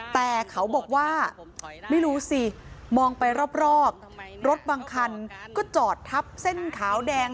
แต่เขาบอกว่าไม่รู้สิมองไปรอบรถบางคันก็จอดทับเส้นขาวแดง